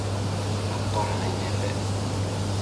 atoda naic nepec